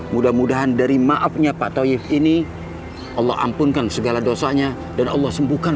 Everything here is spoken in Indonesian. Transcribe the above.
mudah mudahan dari maafnya pak toyif ini allah ampunkan segala dosanya dan allah sembuhkan